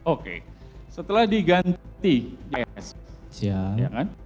oke setelah diganti hs ya kan